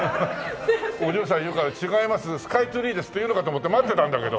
お嬢さんいるから「違いますスカイツリーです」って言うのかと思って待ってたんだけど。